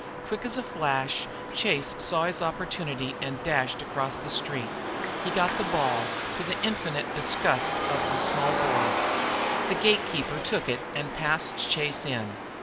Quick as a flash Chase saw his opportunity and dashed across the street. He got the ball, to the infinite disgust of the small boys. The gatekeeper took it and passed Chase in.